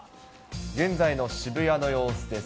現在の渋谷の様子です。